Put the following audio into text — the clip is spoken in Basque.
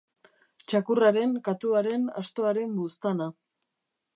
Txakurraren, katuaren, astoaren buztana.